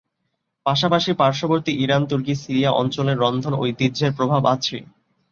পাশাপাশি পার্শ্ববর্তী ইরান, তুর্কী, সিরিয়া অঞ্চলের রন্ধন ঐতিহ্যের প্রভাব আছে।